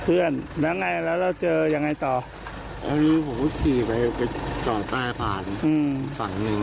อืมขับหนีแล้วล้มเอง